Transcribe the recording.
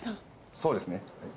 そうですね。